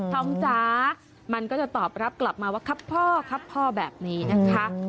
ทองจ๋ามันก็จะตอบรับกลับมาว่าครับพ่อครับพ่อแบบนี้นะคะ